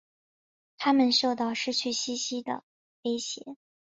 它们受到失去栖息地的威胁。